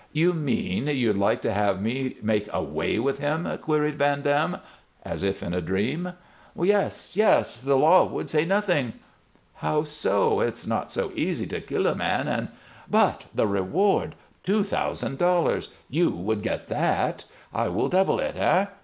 "You mean you'd like to have me make away with him?" queried Van Dam, as if in a dream. "Yes, yes! The law would say nothing." "How so? It's not so easy to kill a man and " "But the reward two thousand dollars! You would get that. I will double it. Eh?